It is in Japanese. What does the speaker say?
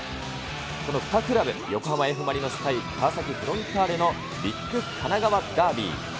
この２クラブ、横浜Ｆ・マリノス対川崎フロンターレのビッグ神奈川ダービー。